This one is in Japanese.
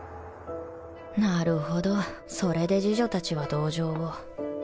なるほどそれで侍女たちは同情を